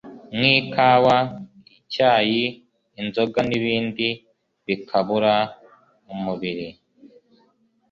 nkikawa icyayi inzoga nibindi bikabura umubiri